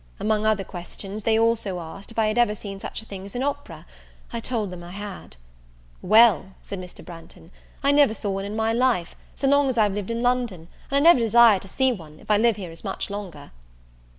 Among other questions, they also asked, if I had ever seen such a thing as an opera? I told them I had. "Well," said Mr. Branghton, "I never saw one in my life, so long as I've lived in London; and I never desire to see one, if I live here as much longer."